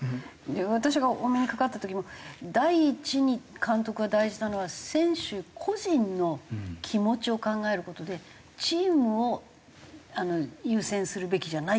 私がお目にかかった時も「第一に監督が大事なのは選手個人の気持ちを考える事でチームを優先するべきじゃない」って。